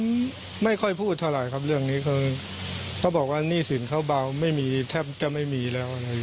เขาก็ไม่ค่อยพูดเท่าไรครับเรื่องนี้เขาบอกว่านี่สินเขาเบาไม่มีแทบจะไม่มีแล้วอะไรอย่างนี้